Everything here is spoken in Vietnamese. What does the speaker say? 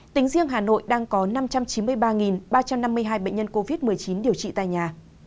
tính riêng hà nội đang có năm trăm chín mươi ba ba trăm năm mươi hai bệnh nhân covid một mươi chín điều trị tại nhà